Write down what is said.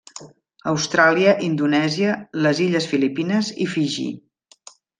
Austràlia, Indonèsia, les illes Filipines i Fiji.